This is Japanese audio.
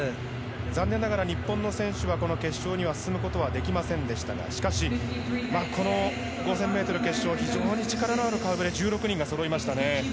残念ながら日本の選手はこの決勝には進むことはできませんでしたが、しかし５０００ｍ決勝非常に力のある顔ぶれ１６人がそろいましたね。